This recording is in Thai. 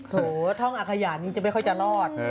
โหท่องอาขยะนี้จะไม่ค่อยจะรอด